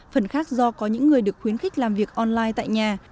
phần khác do có những người được khuyến khích làm việc online tại nhà